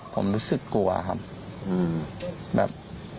ผมรู้สึกกลัวครับแบบ